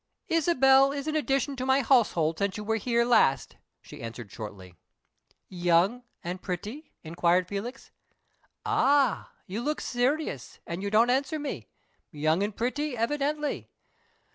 "Isabel is an addition to my household since you were here last," she answered shortly. "Young and pretty?" inquired Felix. "Ah! you look serious, and you don't answer me. Young and pretty, evidently.